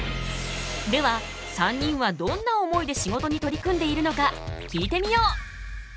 では３人はどんな思いで仕事に取り組んでいるのか聞いてみよう！